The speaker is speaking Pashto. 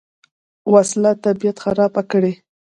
وسله طبیعت خرابه کړي